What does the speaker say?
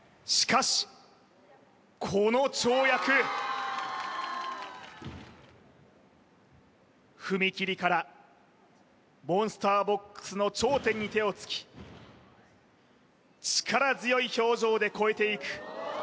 しかしこの跳躍踏み切りからモンスターボックスの頂点に手をつき力強い表情で越えていく